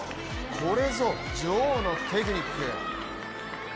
これぞ女王のテクニック。